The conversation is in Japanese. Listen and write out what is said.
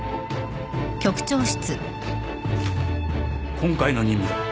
今回の任務だ。